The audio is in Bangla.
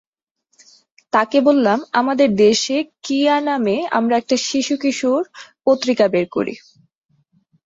তাঁকে বললাম আমাদের দেশে কিআ নামে আমরা একটা শিশু-কিশোর পত্রিকা বের করি।